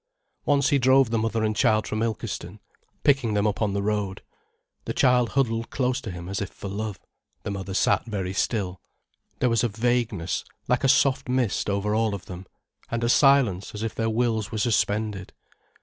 Once he drove the mother and child from Ilkeston, picking them up on the road. The child huddled close to him as if for love, the mother sat very still. There was a vagueness, like a soft mist over all of them, and a silence as if their wills were suspended.